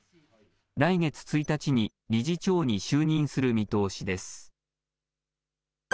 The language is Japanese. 来月１日に理事長に就任する見通しです。